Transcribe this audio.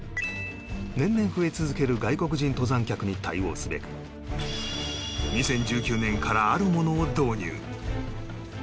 年々増え続ける外国人登山客に対応すべく２０１９年からあるものを導入